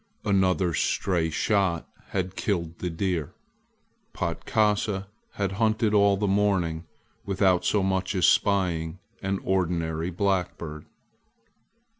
Another's stray shot had killed the deer. Patkasa had hunted all the morning without so much as spying an ordinary blackbird.